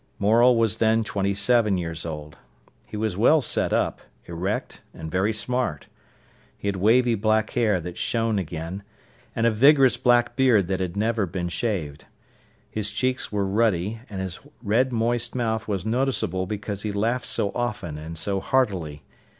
Morel was then twenty seven years old. He was well set up, erect, and very smart. He had wavy black hair that shone again, and a vigorous black beard that had never been shaved. His cheeks were ruddy, and his red, moist mouth was noticeable because he laughed so often and so heartily.